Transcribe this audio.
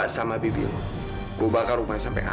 ya tapi kan baik bukan berarti cinta